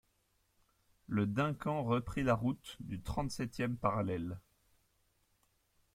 Le Duncan reprit la route du trente-septième parallèle.